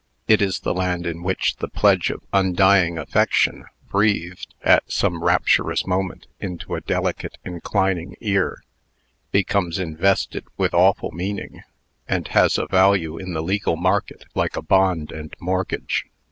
It is the land in which the pledge of undying affection, breathed, at some rapturous moment, into a delicate, inclining ear, becomes invested with awful meaning, and has a value in the legal market like a bond and mortgage.